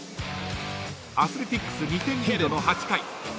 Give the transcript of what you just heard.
［アスレチックス２点リードの８回］